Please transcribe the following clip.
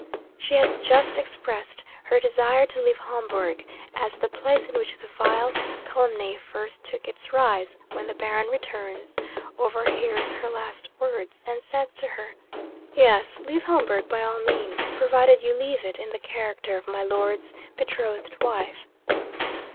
She has just expressed her desire to leave Homburg, as the place in which the vile calumny first took its rise, when the Baron returns, overhears her last words, and says to her, "Yes, leave Homburg by all means; provided you leave it in the character of my Lord's betrothed wife!"